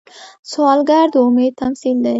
سوالګر د امید تمثیل دی